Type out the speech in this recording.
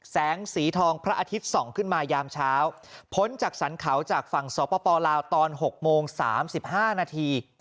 แสงสีทองพระอาทิตย์ส่องขึ้นมายามเช้าพ้นจากสรรเขาจากฝั่งสปลาวตอน๖โมง๓๕นาที